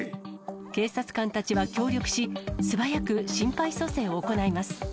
警察官たちは協力し、素早く心肺蘇生を行います。